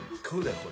これ。